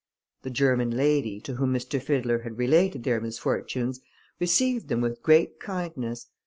The German lady, to whom M. Fiddler had related their misfortunes, received them with great kindness.